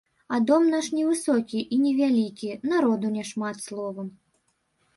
А дом наш невысокі і невялікі, народу няшмат, словам.